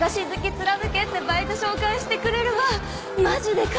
貫けってバイト紹介してくれるわマジで神！